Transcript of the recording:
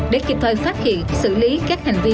để kịp thời phát hiện xử lý các hành vi